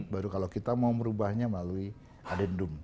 baru kalau kita mau merubahnya melalui adendum